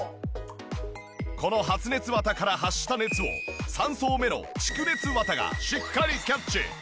この発熱綿から発した熱を３層目の蓄熱綿がしっかりキャッチ。